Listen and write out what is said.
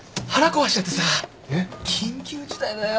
緊急事態だよ。